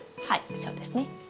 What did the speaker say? はいそうですね。